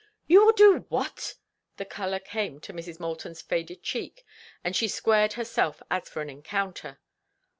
"You will do what?" The color came into Mrs. Moulton's faded cheek, and she squared herself as for an encounter.